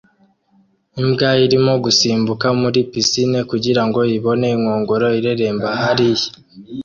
Imbwa irimo gusimbukira muri pisine kugirango ibone inkongoro ireremba hariya